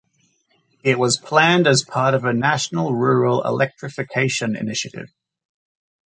It was planned as part of a national rural electrification initiative.